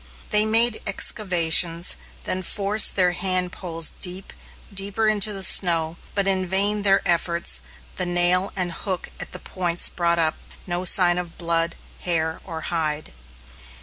They made excavations, then forced their hand poles deep, deeper into the snow, but in vain their efforts the nail and hook at the points brought up no sign of blood, hair, or hide.